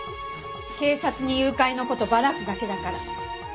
警察に誘拐の事バラすだけだから。